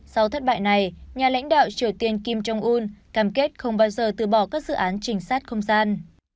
sau thất bại này nhà lãnh đạo triều tiên kim jong un cam kết không bao giờ từ bỏ các dự án trình sát không gian